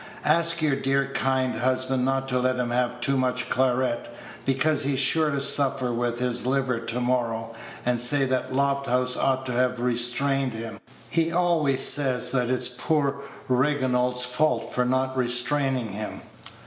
"Ask your dear, kind husband not to let him have too much claret, because he's sure to suffer with his liver to morrow, and say that Lofthouse ought to have restrained him. He always says that it's poor Riginald's fault for not restraining him."